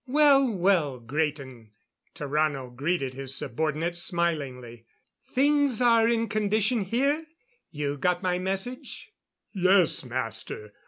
"Well! Well, Graten!" Tarrano greeted his subordinate smilingly. "Things are in condition here? You got my message?" "Yes, Master.